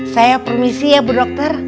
saya permisi ya bu dokter